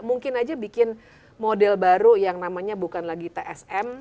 mungkin aja bikin model baru yang namanya bukan lagi tsm